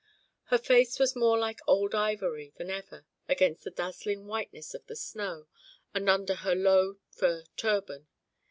Her face was more like old ivory than ever against the dazzling whiteness of the snow and under her low fur turban.